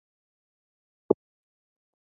که ماشوم وخاندي، نو کور به روښانه شي.